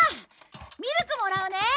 ミルクもらうね！